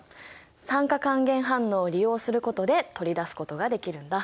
酸化還元反応を利用することで取り出すことができるんだ。